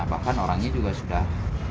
bahkan orangnya juga sudah